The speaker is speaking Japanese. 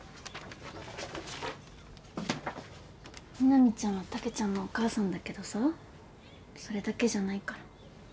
南ちゃんはたけちゃんのお母さんだけどさそれだけじゃないから。